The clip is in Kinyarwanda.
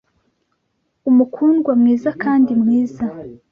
umukundwa mwiza kandi mwiza